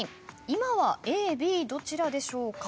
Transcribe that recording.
今はＡＢどちらでしょうか？